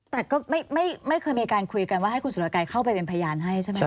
แต่ก็ไม่เคยมีการคุยกันว่าให้คุณสุรกัยเข้าไปเป็นพยานให้ใช่ไหมครับ